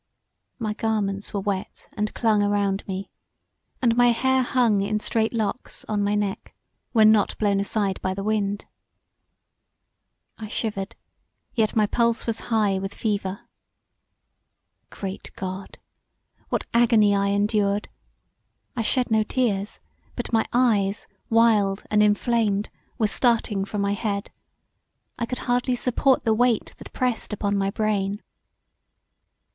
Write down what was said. My garments were wet and clung around me, and my hair hung in straight locks on my neck when not blown aside by the wind. I shivered, yet my pulse was high with fever. Great God! What agony I endured. I shed no tears but my eyes wild and inflamed were starting from my head; I could hardly support the weight that pressed upon my brain.